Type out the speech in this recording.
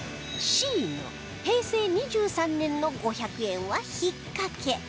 Ｃ の平成２３年の５００円は引っ掛け